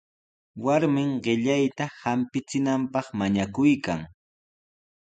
Warmin qillayta hampichinanpaq mañakuykan.